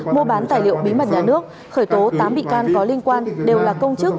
mua bán tài liệu bí mật nhà nước khởi tố tám bị can có liên quan đều là công chức